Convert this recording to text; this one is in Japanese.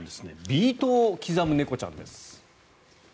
ビートを刻む猫ちゃんです。